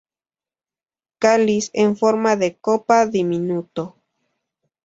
Cáliz en forma de copa, diminuto.